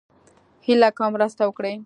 هيله کوم مرسته وکړئ